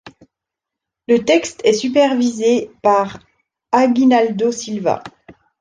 Le texte est supervisé par Aguinaldo Silva.